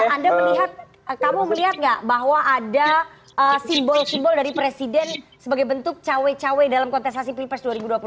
anda melihat kamu melihat nggak bahwa ada simbol simbol dari presiden sebagai bentuk cawe cawe dalam kontestasi pilpres dua ribu dua puluh empat